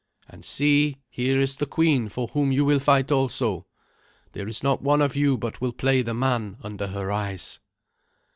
And see, here is the queen for whom you will fight also. There is not one of you but will play the man under her eyes."